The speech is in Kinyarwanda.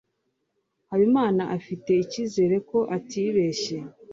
habimana afite icyizere ko atibeshye